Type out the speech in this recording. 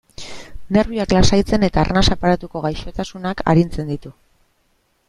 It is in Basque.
Nerbioak lasaitzen eta arnas aparatuko gaixotasunak arintzen ditu.